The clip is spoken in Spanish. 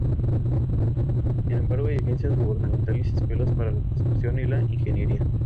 Sin embargo, hay agencias gubernamentales y escuelas para la construcción y la ingeniería.